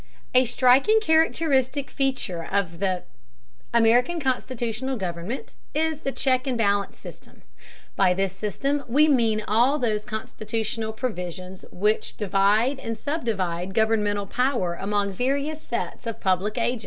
A striking characteristic feature of American constitutional government is the check and balance system. By this system we mean all those constitutional provisions which divide and subdivide governmental power among various sets of public agents.